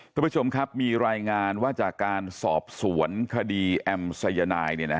คุณผู้ชมครับมีรายงานว่าจากการสอบสวนคดีแอมสายนาย